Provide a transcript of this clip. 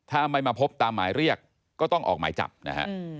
ถ้าไม่มาพบตามหมายเรียกก็ต้องออกหมายจับนะฮะ